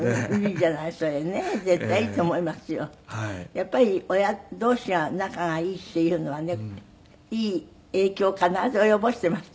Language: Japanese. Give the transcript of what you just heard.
やっぱり親同士が仲がいいっていうのはねいい影響を必ず及ぼしていますよね。